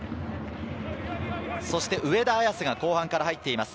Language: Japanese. そして上田綺世が後半から入っています。